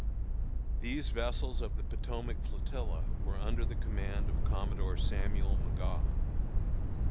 These vessels of the Potomac flotilla were under the command of Commodore Samuel Magaw.